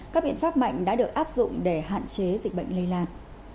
các biện pháp mạnh đã được áp dụng để hạn chế dịch bệnh lây lan